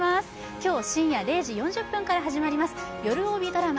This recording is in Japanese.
今日深夜０時４０分から始まりますよるおびドラマ「